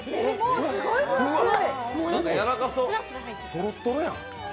とろとろやん。